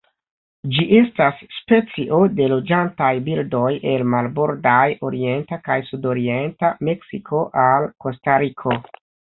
Ĝi estas specio de loĝantaj birdoj el marbordaj orienta kaj sudorienta Meksiko al Kostariko.